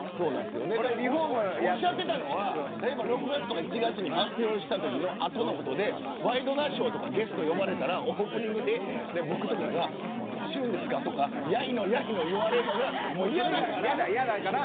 おっしゃっていたのは６月とか７月に発表したときの後のことでワイドナショーにゲストで呼ばれたらオープニングで僕とかになんで走るんですかとか言われるのが嫌だから。